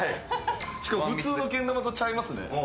しかも普通のけん玉とちゃいますね。